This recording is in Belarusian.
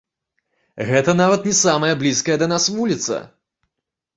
Гэта нават не самая блізкая да нас вуліца.